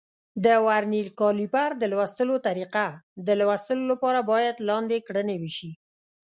د ورنیر کالیپر د لوستلو طریقه: د لوستلو لپاره باید لاندې کړنې وشي.